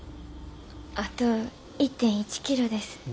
あと１．１キロです。